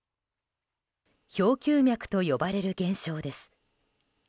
氷丘脈と呼ばれる現象です。